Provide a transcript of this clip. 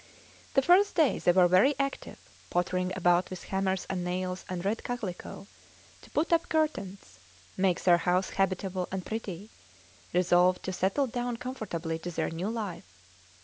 The first day they were very active, pottering about with hammers and nails and red calico, to put up curtains, make their house habitable and pretty; resolved to settle down comfortably to their new life.